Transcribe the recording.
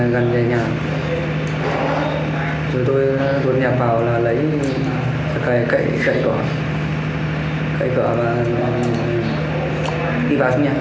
và dựng xe